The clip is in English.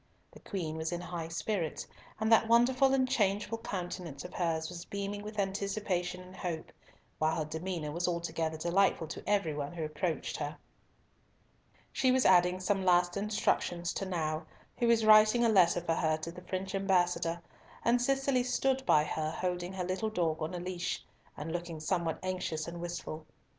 The Queen was in high spirits, and that wonderful and changeful countenance of hers was beaming with anticipation and hope, while her demeanour was altogether delightful to every one who approached her. She was adding some last instructions to Nau, who was writing a letter for her to the French ambassador, and Cicely stood by her, holding her little dog in a leash, and looking somewhat anxious and wistful.